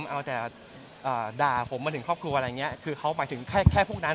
เอาแต่ด่าผมมาถึงครอบครัวอะไรอย่างนี้คือเขาหมายถึงแค่พวกนั้น